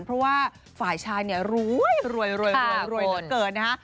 เพราะว่าฝ่ายชายเนี่ยรวยมันเกินนะคะ